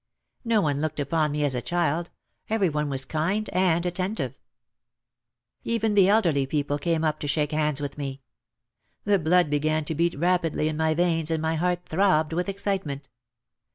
No one looked upon me as a child, every one was kind and attentive. Even the elderly people came up to shake hands with me. The blood began to beat rapidly in my veins and my heart throbbed with excitement.